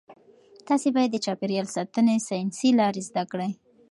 تاسي باید د چاپیریال ساتنې ساینسي لارې زده کړئ.